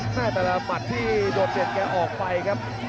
แต่ละหมัดที่โดดเด่นแกออกไปครับ